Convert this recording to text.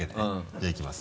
じゃあいきます。